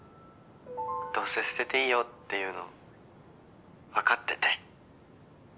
どうせ、捨てていいよって言うの分かってて。